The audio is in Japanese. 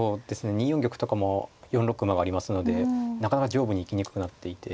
２四玉とかも４六馬がありますのでなかなか上部に行きにくくなっていて。